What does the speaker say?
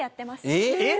えっ？